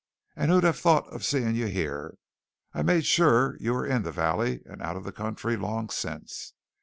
And who'd have thought of seeing you here! I made sure you were in the valley and out of the country long since.